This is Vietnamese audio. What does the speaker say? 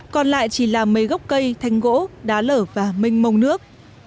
còn lại chỉ là mấy gốc cây thanh gỗ đá lở và minh mông nước